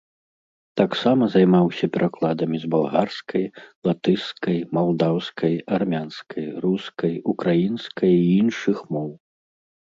Таксама займаўся перакладамі з балгарскай, латышскай, малдаўскай, армянскай, рускай, украінскай і іншых моў.